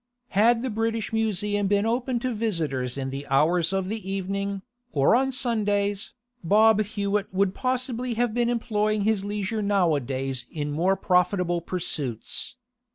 Had the British Museum been open to visitors in the hours of the evening, or on Sundays, Bob Hewitt would possibly have been employing his leisure nowadays in more profitable pursuits.